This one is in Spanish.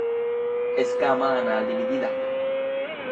Escama anal dividida.